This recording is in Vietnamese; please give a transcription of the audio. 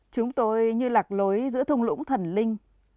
chúng tôi như lạc lối giữa thung lũng thần linh